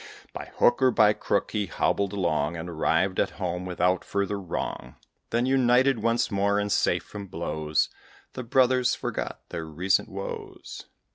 By hook or by crook he hobbled along, And arrived at home without further wrong. Then, united once more, and safe from blows, The brothers forgot their recent woes.